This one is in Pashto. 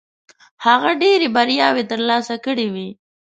هغه ډېرې بریاوې ترلاسه کړې وې.